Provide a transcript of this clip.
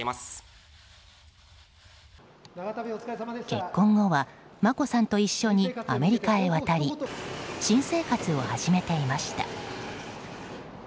結婚後は眞子さんと一緒にアメリカへ渡り新生活を始めていました。